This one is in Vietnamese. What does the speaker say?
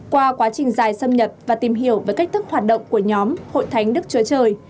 qua quá trình dài xâm nhập và tìm hiểu về cách thức hoạt động của nhóm hội thánh đức chúa trời